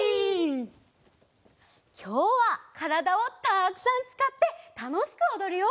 きょうはからだをたくさんつかってたのしくおどるよ！